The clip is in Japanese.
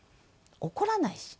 怒らないし。